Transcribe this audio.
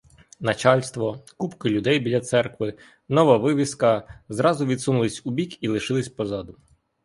Начальство, купки людей біля церкви, нова вивіска зразу відсунулись убік і лишились позаду.